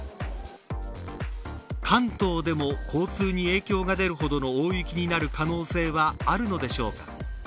関東でも交通に影響が出るほどの大雪になる可能性はあるのでしょうか。